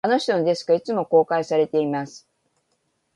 あの人のデスクは、いつも公開されています